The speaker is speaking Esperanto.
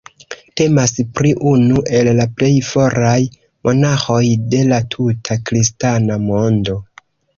Temas pri unu el la plej foraj monaĥoj de la tuta kristana mondo.